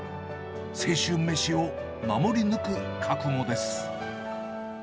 青春飯を守り抜く覚悟です。